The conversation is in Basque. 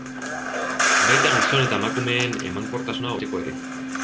Baita gizon eta emakumeen emankortasuna hobetzeko ere.